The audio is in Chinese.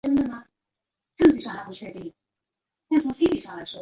锡卡河发出的水电是肯尼亚电力的重要组成部分。